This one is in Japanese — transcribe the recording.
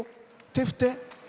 手を振って！